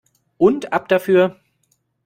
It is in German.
Und ab dafür!